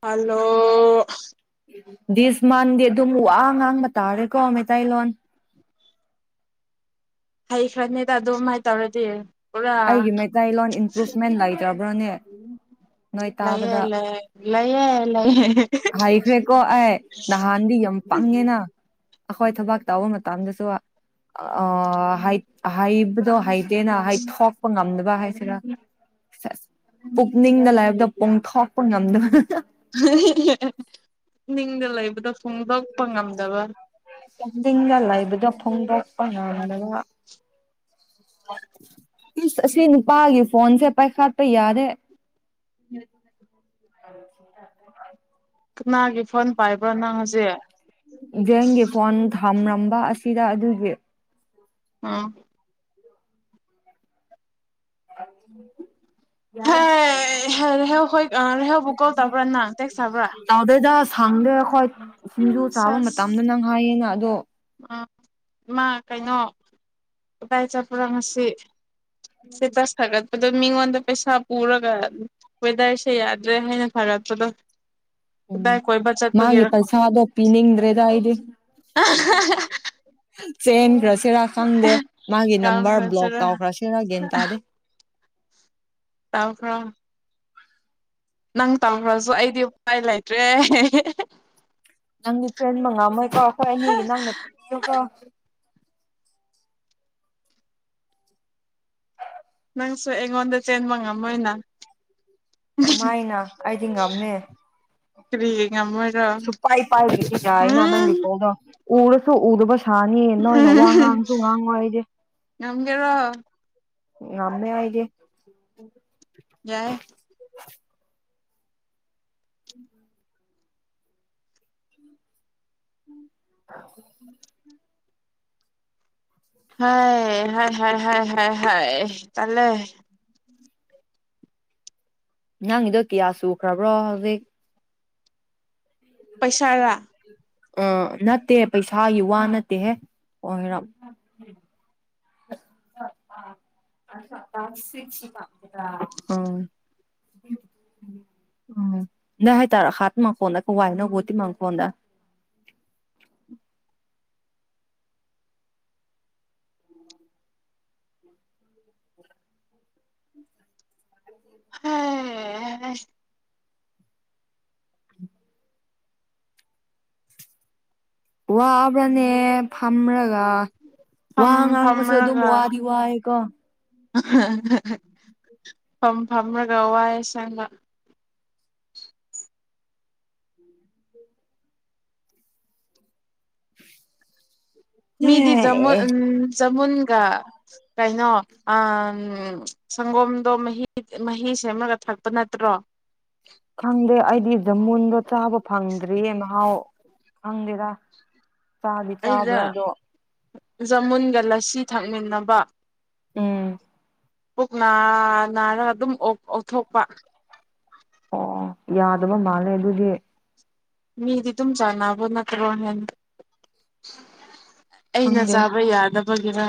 Hello ꯗꯤꯁ ꯃꯟꯗꯤꯦ ꯑꯗꯨꯝ ꯋꯥ ꯉꯥꯡꯕ ꯇꯥꯔꯦꯀꯣ ꯃꯩꯇꯩꯂꯣꯟ ꯍꯩꯈ꯭ꯔꯅꯤꯗ ꯑꯗꯨꯃꯥꯏꯅ ꯇꯧꯔꯗꯤ ꯄꯨꯔꯥ ꯑꯩꯒꯤ ꯃꯦ ꯇꯥꯏ ꯂꯣꯟ ꯏꯟꯀ꯭ꯔꯔꯤꯁ ꯃꯦꯟ ꯂꯥꯏ ꯔꯅꯦ ꯅꯣꯏ ꯂꯩꯌꯦ ꯇꯥꯕꯗ ꯂꯩ ꯂꯩꯌꯦ ꯂꯩꯌꯦ ꯍꯥꯏꯈ꯭ꯔꯦꯀꯣ ꯑꯦ ꯅꯍꯥꯟꯗꯤ ꯌꯥꯝ ꯄꯪꯉꯦꯅ ꯑꯩꯈꯣꯏ ꯊꯕꯥꯛ ꯇꯥꯕ ꯃꯇꯝꯗꯁꯨ ꯍꯥꯏꯕꯗꯣ ꯅ ꯍꯥꯏ ꯊ ꯉꯝꯗꯕ ꯍꯥꯏꯁꯤꯔ ꯄꯨꯛꯅꯤꯡꯗ ꯂꯥꯏꯔꯤꯛꯇ ꯄꯣꯡꯊꯣꯛꯄ ꯉꯝꯗꯕ ꯅꯤꯡꯅ ꯂꯩꯕꯗꯣ ꯐꯣꯡꯗꯣꯛꯄ ꯉꯝꯗꯕ ꯆꯗꯤꯡꯗ ꯂꯩꯕꯗꯣ ꯐꯣꯡꯗꯛꯄꯉꯅꯒ ꯁꯤ ꯅꯨꯄꯥꯒꯤ ꯐꯣꯟꯁꯦ ꯄꯥꯏꯈꯥꯠꯄ ꯌꯥꯔꯦ ꯀꯅꯥꯒꯤ ꯐꯣꯟ ꯄꯥꯏꯕ꯭ꯔꯥ ꯅꯪꯁꯦ ꯊꯝꯂꯝꯝꯕ ꯑꯁꯤꯗ ꯑꯗꯨꯒꯤ ꯑꯥ ꯑ ꯌꯥ ꯍꯦ ꯔꯦꯍꯧ ꯍꯣꯏ ꯔꯦꯍꯧꯕꯨ ꯀꯣꯜ ꯇꯧꯕ꯭ꯔꯥ ꯅꯪ ꯇꯦꯛꯁ ꯊꯥꯕ꯭ꯔꯥ ꯇ ꯑꯣꯗ ꯊꯥꯡꯗꯦ ꯑꯩ ꯍꯣꯏ ꯁꯤꯡꯖꯨ ꯆꯥꯕ ꯁꯁ ꯃꯇꯝꯗꯣ ꯅꯪ ꯍꯥꯏꯌꯦꯅ ꯑꯗꯣ ꯑ ꯃꯥ ꯀꯩꯅꯣ ꯎꯀꯥꯏ ꯆꯠꯄꯨꯔꯉꯁꯤ ꯁꯤ ꯇꯁ ꯊꯒꯠ ꯑꯗꯣ ꯃꯤꯉꯣꯟꯗ ꯄꯩꯁꯥ ꯄꯨꯔꯒ ꯋꯦꯗꯔꯁꯦ ꯌꯥꯗ꯭ꯔꯦ ꯍꯥꯏꯅ ꯐꯔꯛꯄꯗꯣ ꯎꯝ ꯃꯥꯒꯤ ꯄꯩꯁꯥꯗꯣ ꯄꯤꯅꯤꯡꯗ꯭ꯔꯦꯗ ꯑꯩꯗꯤ [inaudible] ꯁꯦꯟ ꯔꯁ ꯁꯤꯦꯔꯥ ꯈꯪꯗꯦ ꯃꯥꯒꯤ ꯅꯝꯕꯔ ꯕ꯭ꯂꯣꯛ ꯀꯥꯎꯈ꯭ꯔꯖꯤꯔ ꯇꯧꯈ꯭ꯔꯥ ꯁꯤꯔꯥ ꯒꯦꯟ ꯇꯥꯗꯦ ꯇꯈ ꯅꯪ ꯇꯈ꯭ꯔꯁꯨ ꯑꯩꯗꯤ ꯎꯄꯥꯏ ꯂꯩꯇ꯭ꯔꯦ ꯅꯪꯒꯤ ꯐ꯭ꯔꯦꯟ ꯃꯉꯥ ꯃꯣꯏꯀꯥꯎ ꯑꯩꯣꯏ ꯑꯅꯤꯒꯤ ꯅꯪꯅ ꯄꯤꯕꯤꯌꯨ ꯅꯪꯁꯨ ꯑꯩꯉꯣꯟꯗ ꯆꯦꯟꯕ ꯉꯝꯃꯣꯏꯅ ꯀꯃꯥꯏꯅ ꯑꯩꯗꯤꯡꯉꯝꯃꯦ ꯐꯔꯤꯌꯦ ꯁꯄꯥꯏ ꯄꯥꯏ ꯂꯤꯁꯤ ꯎꯝ ꯆꯏꯅꯥꯅꯅꯤ ꯄꯧꯒ ꯎ ꯁꯣ ꯎꯁ ꯁꯥꯅꯤ ꯅꯣꯏꯅ ꯋꯥ ꯎꯝ ꯉꯥꯡꯁꯨ ꯉꯥꯡ ꯋꯥꯗꯤ ꯉꯝꯒꯦꯔꯣ ꯑꯃꯦ ꯍꯥꯏꯏꯒꯦ ꯌꯥꯏ [inaudible] ꯍ ꯍ ꯍ ꯍ ꯍ ꯇꯂꯦ ꯅꯪꯒꯤꯗꯣ ꯀꯤꯌꯥ ꯁꯨꯈ꯭ꯔꯕ꯭ꯔꯣ ꯍꯧꯖꯤꯛ꯫ ꯄꯩꯁꯥꯔꯥ꯫ ꯎꯝ ꯅꯠꯇꯦ ꯄꯩꯁꯥꯒꯤ ꯋꯥ ꯅꯠꯇꯦꯍꯦ ꯫ [unintelligible] ꯎꯝ꯫ [unintelligible] [unintelligible] ꯋꯥ [unintelligible] [unintelligible] ꯐꯝꯃ꯭ꯔꯒ ꯐꯝ ꯋꯥ ꯉꯥꯡꯕꯁꯨ ꯑꯗꯨꯝ ꯐꯝꯔꯒ ꯋꯥꯗꯤ ꯋꯥꯏꯌꯦꯀꯣ꯫ [unintelligible] ꯐꯝ ꯐꯝꯃꯒ ꯋꯥꯢ ꯑꯁꯦꯡꯕ꯫ ꯃꯤꯗꯤ ꯖꯃꯨꯟ ꯑꯦ ꯎꯝ ꯖꯃꯨꯟꯒ ꯀꯩꯅꯣ ꯑ ꯎꯝ ꯁꯪꯒꯣꯝꯗꯣ ꯃꯍꯤ ꯃꯍꯤ ꯁꯦꯝꯃꯒ ꯊꯛꯄ ꯅꯠꯇ꯭ꯔꯣ꯫ ꯈꯪꯗꯦ ꯑꯩꯗꯤ ꯖꯃꯨꯟꯗꯣ ꯆꯥꯕ ꯐꯪꯗ꯭ꯔꯤꯌꯦ ꯃꯍꯥꯎ ꯈꯪꯗꯦꯗ꯫ ꯆꯥꯗꯤ ꯆꯥꯕ꯭ꯔꯥ ꯑꯩꯗ ꯑꯗꯣ꯫ ꯖꯃꯨꯟꯒ ꯂꯁꯤ ꯊꯛꯃꯤꯟꯅꯕ ꯎꯝ꯫ ꯄꯨꯛ ꯅꯥ ꯅꯥꯔꯒ ꯑꯗꯨꯝ ꯑꯣꯛ ꯑꯣꯛꯊꯣꯛꯄ꯫ ꯑꯣ ꯌꯥꯗꯕ ꯃꯥꯜꯂꯦ ꯑꯗꯨꯗꯤ꯫ ꯃꯤꯗꯤ ꯗꯨꯝ ꯆꯥꯅꯕ ꯅꯠꯇ꯭ꯔꯣ ꯅꯦ꯫ ꯑꯩꯅ ꯈꯪꯗꯦ ꯆꯥꯕ ꯌꯥꯗ [unintelligible]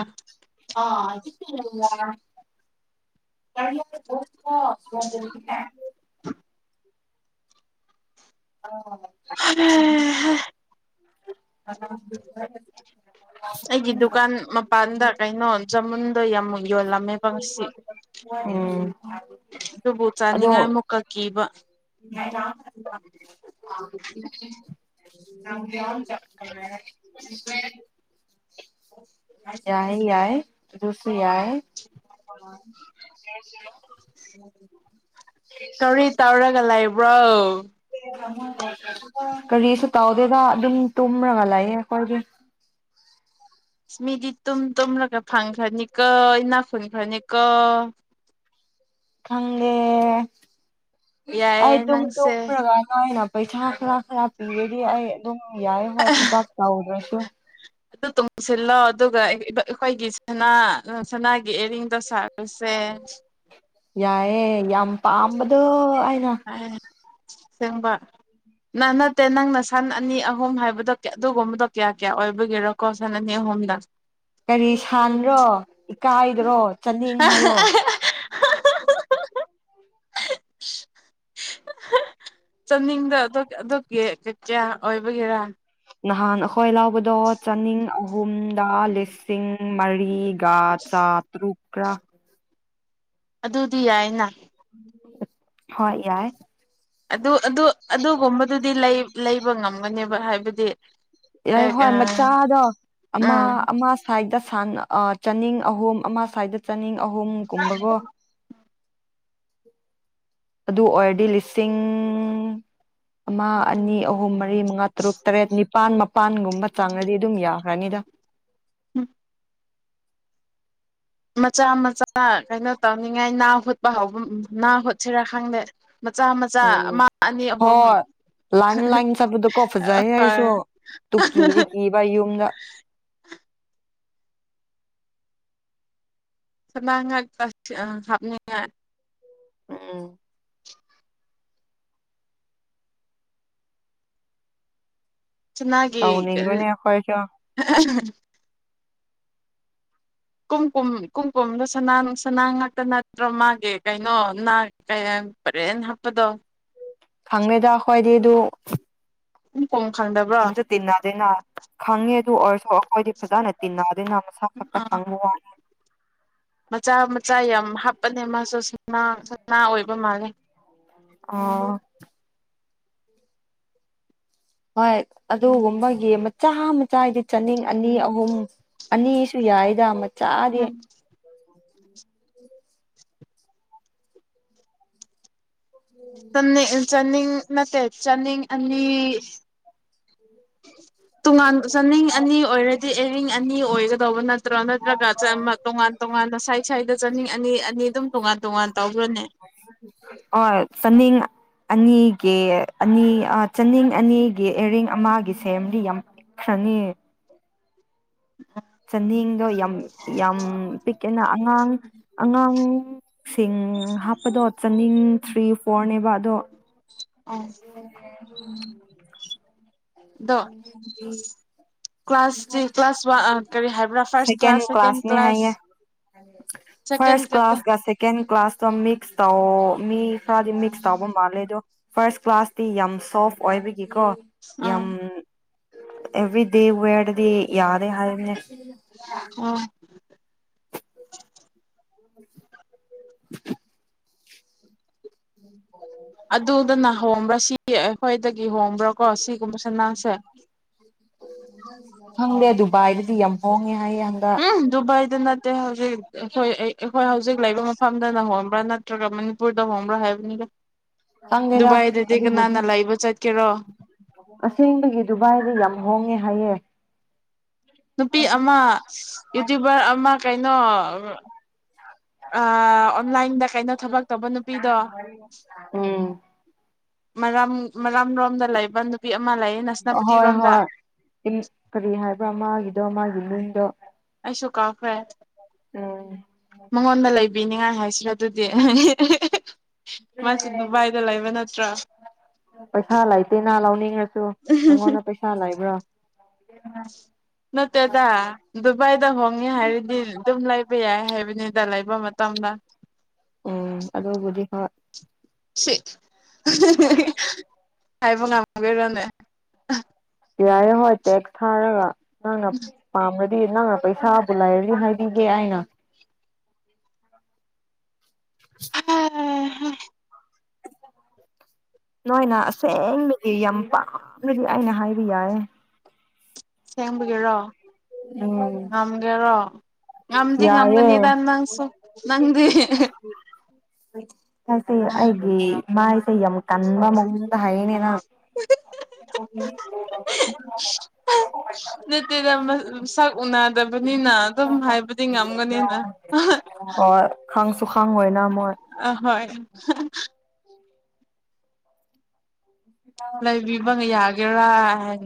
[unintelligible] [unintelligible] [unintelligible] [unintelligible] [unintelligible] ꯑꯩꯒꯤ ꯗꯨꯀꯥꯟ ꯃꯄꯥꯟꯗ ꯀꯩꯅꯣ ꯆꯃꯨꯟ ꯑꯗꯣ ꯌꯥꯃꯨꯟ ꯌꯣꯜꯂꯝꯃꯦꯕ ꯉꯁꯤ ꯎꯝ ꯑꯗꯨꯕꯨ ꯑꯗꯣ ꯆꯥꯅꯤꯡꯉꯥꯏ ꯑꯃꯨꯛꯀ ꯀꯤꯕ꯫ [unintelligible] [unintelligible] ꯌꯥꯏ ꯌꯥꯏ ꯗꯨꯁꯨ ꯌꯥꯏ꯫ ꯀꯔꯤ ꯇꯧꯔꯒ ꯂꯩ [unintelligible] ꯀꯔꯤꯁꯨ ꯇꯥꯎꯗꯦꯗ ꯑꯗꯨꯝ ꯇꯨꯝꯔꯒ ꯂꯥꯛꯌꯦ ꯑꯩꯈꯣꯏꯒꯤ ꯏꯁꯃꯤꯗꯤ ꯇꯨꯝ ꯇꯨꯝꯂꯒ ꯐꯪꯈ꯭ꯔꯅꯤ ꯀ‍ꯣ ꯏꯅꯥꯈꯨꯟꯈ꯭ꯔꯅꯤ ꯀ‌ꯣ [unintelligible] ꯌꯥꯏꯌꯦ ꯑꯩ ꯇ ꯅꯪꯁꯦ ꯇꯒꯅ ꯍꯥꯏꯅ ꯄꯩꯁꯥꯔ ꯄꯦꯗꯤ ꯑꯗꯨꯝ ꯌꯥꯏꯦ ꯍꯣꯏ ꯊꯕꯥꯛ ꯇꯧꯗ꯭ꯔꯁꯨ ꯑꯗꯨ ꯇꯨꯡꯁꯤꯜꯂꯣ ꯑꯗꯨꯒ ꯑꯩꯈꯣꯏꯒꯤ ꯁꯅꯥ ꯁꯅꯥꯒꯤ ꯑꯔꯤꯡꯗꯣ ꯁꯥꯕꯁꯦ ꯌꯥꯏꯑꯦ ꯌꯥꯝ ꯄꯥꯝꯕꯗꯣ ꯑꯏꯅꯥ ꯁꯦꯡꯕ ꯅꯥꯟ ꯅꯠꯇꯦ ꯅꯪꯅ ꯁꯟ ꯑꯅꯤ ꯑꯍꯨꯝ ꯍꯥꯏꯕꯗꯣ ꯑꯗꯨꯒꯨꯝꯕꯗꯣ ꯀꯌꯥ ꯀꯌꯥ ꯑꯣꯏꯕꯒꯦꯔꯣꯀꯣ ꯁꯟ ꯑꯅꯤ ꯑꯍꯨꯝꯗ ꯀꯔꯤ ꯁꯥꯟ꯭ꯔꯣ ꯏꯀꯥꯏꯗ꯭ꯔꯣ ꯆꯠꯅꯤꯡ ꯍꯥꯏꯌꯣ [inaudible] ꯆꯠꯅꯤꯡꯗ ꯑꯗꯨꯒꯤ ꯀꯌꯥ ꯑꯣꯏꯕꯒꯦꯔꯥ ꯅꯍꯥꯟ ꯑꯥ ꯀꯣꯏ ꯂꯥꯎꯕꯗꯣ ꯆꯥꯅꯤꯡ ꯎꯨꯝ ꯂꯗꯥ ꯂꯁꯤꯡ ꯎ ꯃꯥꯔꯤ ꯒꯥ ꯆ ꯇꯔꯨꯛ꯭ꯔ ꯑꯗꯨꯗꯤ ꯌꯥꯏꯅ‌ꯦ ꯎꯝ ꯑꯗꯨ ꯑꯗꯨ ꯑꯗꯨꯒꯨꯝꯕꯗꯨꯗꯤ ꯂꯩꯕ ꯉꯝꯒꯅꯦ ꯍꯥꯏꯕꯗꯤ ꯏꯔꯩ ꯍꯣꯏ ꯃꯆꯥꯗꯣ ꯑꯃ ꯎꯝ ꯑꯃ ꯁꯥꯏꯗ ꯆꯅꯤꯡ ꯑꯍꯣ ꯑꯃ ꯁ꯭ꯋꯥꯏꯗ ꯆꯥꯅꯤꯡ ꯑꯍꯨꯝ ꯀꯨꯝꯕꯀꯣ ꯑꯗꯨ ꯑꯣꯏꯔꯗꯤ ꯂꯤꯁꯤꯡ ꯑꯃ ꯑꯅꯤ ꯑꯍꯨꯝ ꯃ ꯃꯨ ꯇꯔ ꯄꯥꯟ ꯃꯄꯥꯟꯒꯨꯝꯕ ꯆꯥꯡꯗꯗꯤ ꯑꯗꯨꯝ ꯌꯥꯈ꯭ꯔꯅꯤꯗ ꯎꯝ ꯃꯆꯥ ꯃꯆꯥ ꯀꯩꯅꯣ ꯇꯧꯅꯤꯡꯉꯥꯏ ꯅꯥ ꯍꯨꯠꯄ ꯍꯥꯎꯕ ꯅꯥ ꯍꯨꯠꯁꯤꯔꯥ ꯈꯪꯗꯦ ꯃꯆꯥ ꯃꯆꯥ ꯎꯝ ꯑꯃ ꯑꯅꯤ ꯑꯍꯨꯝ ꯍꯣꯏ ꯂꯥꯡ ꯂꯥꯡ ꯆꯠꯄꯗꯀꯣ ꯐꯖꯩ ꯑꯩꯁꯨ ꯇꯨꯀꯤꯗꯤ ꯀꯤꯕ ꯌꯨꯝꯗꯥ ꯁꯃ ꯉꯥꯛ ꯑꯥ ꯍꯥꯞꯅꯤꯡꯉꯥꯏ ꯎꯝ ꯆꯤꯅꯥꯒꯤ ꯇꯧꯅꯤꯡꯕꯅꯦ ꯑꯩꯈꯣꯏꯁꯨ ꯀꯨꯝ ꯀꯨꯝ ꯀꯨꯝ ꯀꯨꯝꯗꯣ ꯁꯅꯥ ꯉꯥꯛꯇ ꯅꯠꯇ꯭ꯔꯣ ꯃꯥꯒꯤ ꯀꯩꯅꯣ ꯄꯔꯦꯟ ꯍꯥꯞꯄꯗꯣ ꯈꯪꯕꯦꯗ ꯑꯩꯈꯣꯏꯗꯤ ꯑꯗꯨ ꯎꯝ ꯇꯤꯟꯗ ꯇꯤꯟꯅꯥꯗꯅ ꯈꯪꯉꯦ ꯇꯔꯁꯨ ꯑꯩꯈꯣꯏꯗꯤ ꯐꯖꯅꯦ ꯇꯤꯟꯟꯅꯗꯅ ꯃꯁꯥ ꯐꯛꯇ ꯑꯥ ꯈꯪꯕ ꯋꯥ ꯃꯆꯥ ꯃꯆꯥ ꯌꯥꯝ ꯍꯥꯞꯄꯅꯦ ꯃꯥꯁꯨ ꯁ ꯁꯝꯅꯥ ꯑꯣꯏꯕ ꯃꯥꯜꯂꯦ ꯑ ꯍꯣꯏ ꯑꯗꯨꯒꯨꯝꯕꯒꯤ ꯃꯆꯥ ꯃꯆꯥ ꯍꯥꯏꯗꯤ ꯆꯥꯅꯤꯡ ꯑꯅꯤ ꯑꯍꯨꯝ ꯑꯅꯤꯁꯨ ꯌꯥꯏꯗ ꯆꯥꯗꯤ ꯎꯝ ꯅꯤꯡ ꯆꯥꯅꯤꯡ ꯅꯠꯇꯦ ꯆꯥꯅꯤꯡ ꯑꯅꯤ ꯇꯣꯉꯥꯟ ꯆꯥꯅꯤꯡ ꯑꯅꯤ ꯑꯣꯏꯔꯗꯤ ꯑꯔꯤꯡ ꯑꯅꯤ ꯑꯣꯏꯒꯗꯧꯕ ꯅꯠꯇꯦ ꯅꯠꯇ꯭ꯔꯣ ꯅꯠꯇ꯭ꯔꯒ ꯇꯣꯉꯥꯟ ꯇꯣꯉꯥꯟꯅ ꯁꯥꯏꯠ ꯁꯥꯏꯗ ꯆꯥꯅꯤꯡ ꯑꯅꯤ ꯑꯅꯤ ꯑꯗꯨꯝ ꯇꯣꯉꯥꯟ ꯇꯣꯉꯥꯟ ꯇꯧꯈ꯭ꯔꯅꯦ ꯍꯣꯏ ꯆꯅꯤꯡ ꯑꯅꯤꯒꯤ ꯑꯅꯤ ꯆꯅꯤꯡ ꯑꯅꯤꯒꯤ ꯏꯌꯥꯔꯤꯡ ꯑꯃꯒꯤ ꯁꯦꯝꯗꯤ ꯌꯥꯝ ꯄꯛꯈ꯭ꯔꯅꯤ ꯆꯥꯅꯤꯡꯗꯣ ꯌꯥꯝ ꯌꯥꯝ ꯄꯤꯛꯑꯦꯅ ꯑꯉꯥꯡ ꯑꯉꯥꯡꯁꯤꯡ ꯍꯥꯞꯄꯗꯣ ꯆꯥꯅꯤꯡ ꯊ꯭ꯔꯤ ꯐꯣꯔꯅꯦꯕ ꯑꯗꯣ ꯑꯣ [inaudible] ꯎꯝ [inaudible] ꯀ꯭ꯂꯥꯁꯇ ꯀ꯭ꯂꯥꯁ ꯋꯥ ꯀꯔꯤ ꯍꯥꯏꯕ꯭ꯔꯥ ꯐꯥꯔꯁ ꯀ꯭ꯂꯥꯁ ꯁꯦꯀꯦꯟ ꯀ꯭ꯂꯥꯁꯅꯦ ꯀ꯭ꯂꯥꯁ ꯍꯥꯏꯌꯦ ꯁꯦꯀꯦꯟ ꯈ ꯀ꯭ꯂꯥꯁꯇ ꯃꯤꯛꯁ ꯇꯧ ꯃꯤ ꯈꯔꯗꯤ ꯃꯤꯛꯁ ꯇꯧꯕ ꯃꯥꯜꯂꯦ ꯑꯗꯣ ꯐꯥꯔꯁ ꯀ꯭ꯂꯥꯁꯇꯤ ꯌꯥꯝ ꯁꯣꯐ ꯑꯣꯏꯕꯒꯤ ꯀꯣ ꯌꯥꯝ ꯑꯥ ꯑꯦꯕ꯭ꯔꯤ ꯗꯦ ꯋ ꯀꯗꯤ ꯌꯥꯗ ꯍꯥꯏꯔ ꯎꯝ [inaudible] [inaudible] ꯑꯗꯨꯗꯅ ꯍꯣꯡꯕ꯭ꯔꯥ ꯁꯤ ꯑꯩꯈꯣꯏꯗꯒꯤ ꯍꯣꯡꯕ꯭ꯔꯥ ꯀꯣ ꯁꯤ ꯐꯪꯪꯗꯦ ꯑꯗꯨ ꯥꯏꯔꯗꯤ ꯌꯥꯝ ꯐꯣꯡꯉꯦ ꯍꯥꯏ ꯌꯥꯝꯟꯗ ꯗ ꯅꯠꯇ ꯍꯧꯖꯤꯛ ꯑꯩꯈꯣꯏ ꯑꯩꯈꯣꯏ ꯍꯧꯖꯤꯛ ꯂꯩꯕ ꯃꯐꯝ ꯝꯗꯅ ꯍꯣꯡꯕ꯭ꯔꯥ ꯅꯠꯇ꯭ꯔꯒ ꯃꯅꯤꯄꯨꯔꯗ ꯍꯣꯡꯕ꯭ꯔꯥ ꯍꯥꯏꯕꯅꯤꯒ ꯆꯪꯗꯦꯗ ꯑꯗꯨꯕꯨꯗꯤ ꯂꯩꯕ ꯆꯠꯀꯦꯔꯣ ꯑꯁꯦꯡꯕꯒꯤ ꯗꯨꯚꯏꯗ ꯌꯥꯝ ꯍꯣꯡꯉꯦ ꯍꯥꯏꯌꯦ ꯅꯨꯄꯤ ꯑꯃ ꯌꯨꯇ꯭ꯨꯕꯔ ꯑꯃ ꯀꯩꯅꯣ ꯑꯣꯟꯂꯥꯏꯟꯗ ꯀꯩꯅꯣ ꯊꯕꯛ ꯇꯧꯕ ꯅꯨꯄꯤꯗꯣ ꯎꯝ ꯃ ꯥꯝ ꯔꯣꯝꯗ ꯂꯩꯕ ꯅꯨꯄꯤ ꯑꯃ ꯂꯩꯌꯦ ꯅꯁꯅꯥꯄꯇꯤ ꯍꯣꯏ ꯔꯣꯝꯗ ꯍꯣꯏ ꯏꯃꯗꯣ ꯑꯁꯣ ꯀꯥꯐꯦ ꯎꯝ ꯃꯪꯣꯟꯗ ꯂꯩ ꯕꯤꯅꯤꯉꯥꯏ ꯍꯥꯏꯁꯤꯔꯥ ꯑꯗꯨꯗꯤ ꯃꯥꯁꯨ ꯗꯨꯕꯥꯏꯗ ꯂꯩꯕ ꯅꯠꯇ꯭ꯔꯣ ꯄꯩꯁꯥ ꯂꯩꯇꯦꯅ ꯂꯧꯅꯤꯡꯉꯁꯨ ꯅꯪꯉꯣꯟꯗ ꯄꯩꯁꯥ ꯂꯩꯕ꯭ꯔꯣ ꯅꯠꯇꯦꯗ ꯗꯨꯕꯥꯏꯗ ꯍꯣꯡꯉꯦ ꯍꯥꯏꯔꯗꯤ ꯑꯗꯨꯝ ꯂꯩꯕ ꯌꯥꯏ ꯍꯥꯏꯕꯅꯤꯗ ꯂꯩꯕ ꯃꯇꯝꯗ ꯑꯣꯝ ꯑꯗꯨꯗꯣꯕꯨꯗꯤ ꯍ ꯁꯦ [unintelligible] ꯍꯥꯏꯕꯣ ꯉ ꯀꯔꯅꯦꯦ ꯌꯥꯔꯦ ꯍꯣꯏ ꯇꯦꯛꯁ ꯊꯥꯔꯒ ꯑꯉ ꯃꯥꯃ ꯗꯤ ꯅꯪꯅ ꯄꯩꯁꯥꯕꯨ ꯂꯩꯔꯅꯤ ꯍꯥꯏꯕꯤꯒꯦ ꯑꯅ ꯍꯝ ꯅꯣꯏꯅ ꯑꯁꯦꯡꯕꯗꯤ ꯌꯥꯝ ꯄꯥꯝꯅꯗꯤ ꯑꯩꯅ ꯍꯥꯏꯕ ꯌꯥꯏꯦ ꯁꯦꯝꯦꯡꯕꯒꯤꯦꯔꯣ ꯎꯝ ꯉꯝꯒꯦꯔꯣ ꯉꯝꯗꯤ ꯌꯥꯏꯌꯦ ꯉꯝꯒꯅꯤꯗꯥ ꯅ ꯁ ꯅꯪꯗꯤ ꯍꯣꯏ ꯀꯁ ꯑꯩꯒꯤ ꯃꯥꯥꯏꯁꯦ ꯌꯥꯝ ꯀꯟꯕ ꯃꯑꯣꯡꯗ ꯍꯥꯏꯅꯦꯅ ꯅꯠꯇꯦꯗ ꯁꯛ ꯎꯅꯗꯕꯅꯤꯅ ꯑꯗꯨꯝ ꯍꯥꯏꯕꯗꯤ ꯉꯝꯒꯅꯤꯅ ꯍꯪꯁ ꯁꯨꯁꯥꯡ ꯑꯣꯏꯅ ꯃꯣꯏ ꯑꯍꯣꯏ ꯂꯩꯕꯤꯕ ꯌꯥꯒꯦꯔꯥ ꯍꯥꯏ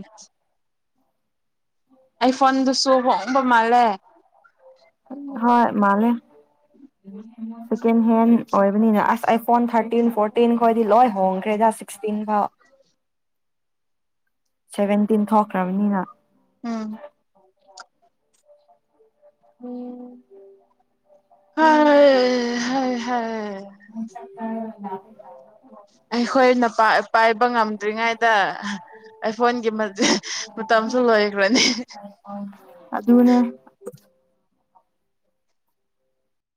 ꯑꯩ ꯐꯣꯟꯗꯨꯁꯨ ꯍꯝꯕ ꯃꯥꯜꯂꯦ ꯍꯣꯏ ꯃꯥꯜꯂꯦ ꯁꯦꯀꯦꯟ ꯍꯦꯟ ꯑꯣꯏꯕꯅꯤꯅ ꯑꯁ ꯑꯩ ꯐꯣꯟ ꯊꯥꯔꯇꯤꯟ ꯐꯣꯔꯇꯤꯟ ꯈꯣꯏꯗꯤ ꯂꯣꯏ ꯍꯣꯡꯈ꯭ꯔꯦꯗ ꯁꯤꯛꯁꯇꯤꯟ ꯐꯥꯎ ꯁꯦꯚꯦꯟꯇꯤꯟ ꯊꯣꯛꯈ꯭ꯔꯕꯅꯤꯅ ꯎꯝ ꯎꯝ [unintelligible] [inaudible] [unintelligible] ꯑꯩꯈꯣꯏꯅ ꯄꯥꯏꯕ ꯉꯝꯗ꯭ꯔꯤꯉꯩꯗ ꯑꯥꯏꯐꯣꯟꯒꯤ ꯃꯇꯝꯁꯨ ꯂꯣꯏꯈ꯭ꯔꯅꯤ꯫ ꯑꯗꯨꯅꯦ